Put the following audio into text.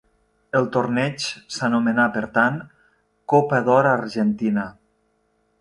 El torneig s'anomenà per tant, Copa d'Or Argentina.